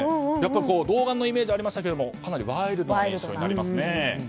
童顔のイメージがありましたけどかなりワイルドな印象になりますね。